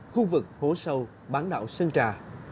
khu vực hố sâu bán đảo sơn trà